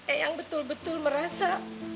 eang betul betul merasa